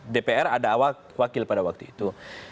dpr ada awak wakil pada waktu itu